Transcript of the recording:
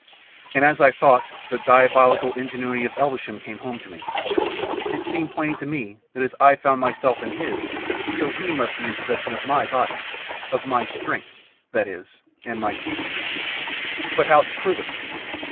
And as I thought, the diabolical ingenuity of Elvesham came home to me. It seemed plain to me that as I found myself in his, so he must be in possession of my body, of my strength, that is, and my future. But how to prove it?